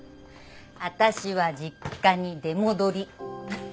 私は実家に出戻り。